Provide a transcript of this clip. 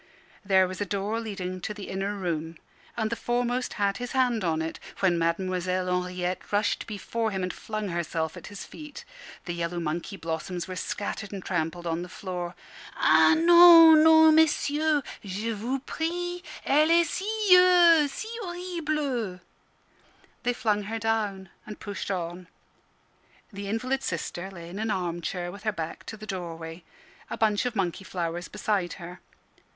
There was a door leading to the inner room, and the foremost had his hand on it, when Mademoiselle Henriette rushed before him, and flung herself at his feet. The yellow monkey blossoms were scattered and trampled on the floor. "Ah non, non, messieurs! Je vous prie Elle est si si horrible!" They flung her down, and pushed on. The invalid sister lay in an arm chair with her back to the doorway, a bunch of monkey flowers beside her.